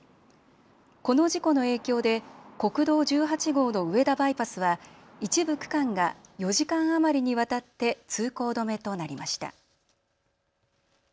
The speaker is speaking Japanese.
この事故の影響で国道１８号の上田バイパスは一部区間が４時間余りにわたって通行止めとなりました。